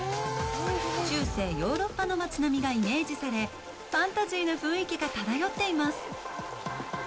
中世ヨーロッパの街並みがイメージされ、ファンタジーな雰囲気が漂っています。